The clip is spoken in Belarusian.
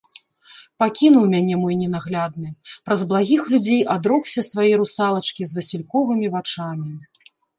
Пакінуў мяне мой ненаглядны, праз благіх людзей адрокся свае русалачкі з васільковымі вачамі.